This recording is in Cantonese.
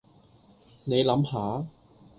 你諗下